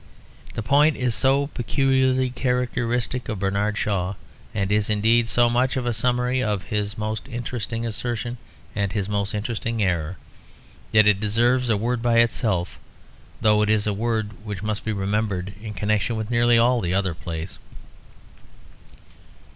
The point is so peculiarly characteristic of Bernard Shaw, and is indeed so much of a summary of his most interesting assertion and his most interesting error, that it deserves a word by itself, though it is a word which must be remembered in connection with nearly all the other plays.